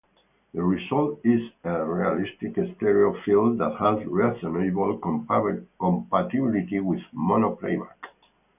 The result is a realistic stereo field that has reasonable compatibility with mono playback.